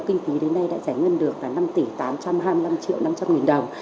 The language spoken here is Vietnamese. kinh phí đến nay đã giải ngân được năm tám trăm hai mươi năm năm trăm linh đồng